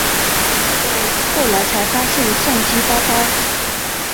后来才发现相机包包